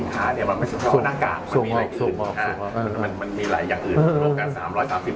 เห็นข้อมูลได้